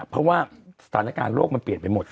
เพราะว่าสถานการณ์โลกมันเปลี่ยนไปหมด